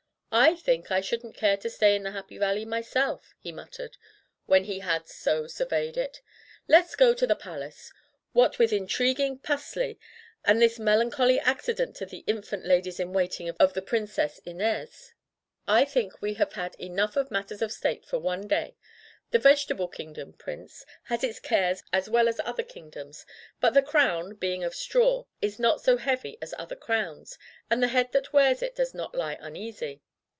"I think I shouldn't care to stay in the Happy Valley myself," he muttered, when he had so surveyed it; "let's go to the Palace. What with intriguing *pusley' and this melancholy accident to the infant ladies in waiting of the Princess Inez, I think we have had enough of matters of state for one day. The Vegetable Kingdom, Prince, has its cares as well as other kingdoms, but the crown, being of straw, is not so heavy as other crowns, and the head that wears it does not lie uneasy.